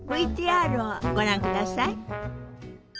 ＶＴＲをご覧ください。